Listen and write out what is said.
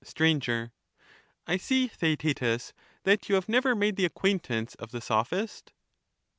Str, I see, Theaetetus, that you have never made the acquaintance of the Sophist.